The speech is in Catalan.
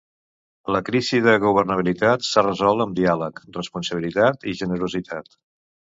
La crisi de governabilitat s’ha resolt amb diàleg, responsabilitat i generositat.